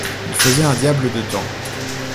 Il faisait un diable de temps.